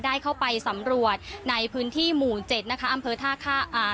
ได้เข้าไปสำรวจในพื้นที่หมู่เจ็ดนะคะอำเภอท่าค่าอ่า